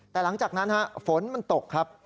แต่หลังจากนั้นฝนมันตกครับ